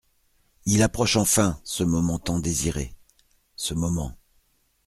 Il approche enfin, ce moment tant désiré… ce moment…